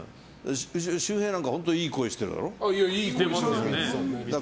修平なんかいい声してるだろ。